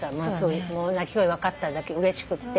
鳴き声分かっただけうれしくって。